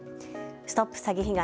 ＳＴＯＰ詐欺被害！